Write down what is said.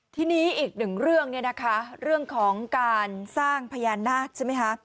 ทีนี้อีกหนึ่งเรื่องเนี่ยนะคะเรื่องของการสร้างพญานาคใช่ไหมคะ